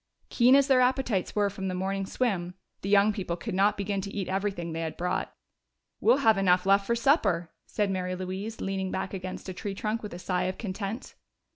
Keen as their appetites were from the morning's swim, the young people could not begin to eat everything they had brought. "We'll have enough left for supper," said Mary Louise, leaning back against a tree trunk with a sigh of content.